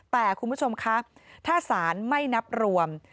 แต่คุณผู้ชมคะถ้าสารไม่นับรวม